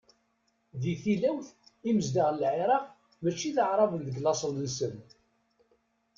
Di tilawt, imezdaɣ n Lεiraq, mačči d Aεraben deg laṣel-nsen.